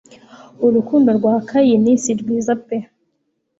Urukundo rwa Kayini, si rwiza pe